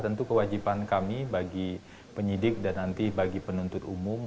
tentu kewajiban kami bagi penyidik dan nanti bagi penuntut umum